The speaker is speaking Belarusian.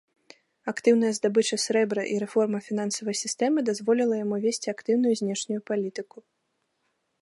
Актыўная здабыча срэбра і рэформа фінансавай сістэмы дазволіла яму весці актыўную знешнюю палітыку.